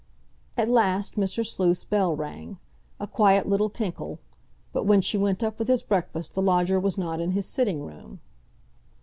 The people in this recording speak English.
At last Mr. Sleuth's bell rang—a quiet little tinkle. But when she went up with his breakfast the lodger was not in his sitting room.